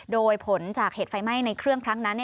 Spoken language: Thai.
โดยผลจากเหตุไฟไหม้ในเครื่องครั้งนั้น